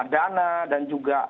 dana dan juga